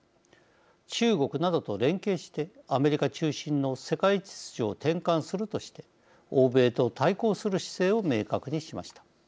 中国などと連携してアメリカ中心の世界秩序を転換するとして欧米と対抗する姿勢を明確にしました。